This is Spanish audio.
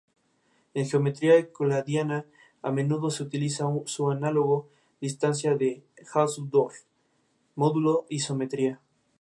Los servicios de Ortodoxo de Hillel son ofrecidos cada día en Hillel.